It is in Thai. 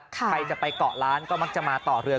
ใครจะไปเกาะล้านก็มักจะมาต่อเรือ